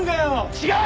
違う！